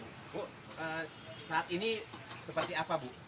ibu saat ini seperti apa bu